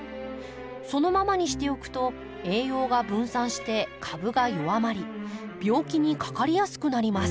そのままにしておくと栄養が分散して株が弱まり病気にかかりやすくなります。